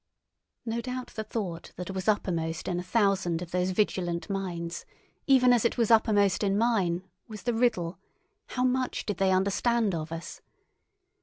No doubt the thought that was uppermost in a thousand of those vigilant minds, even as it was uppermost in mine, was the riddle—how much they understood of us.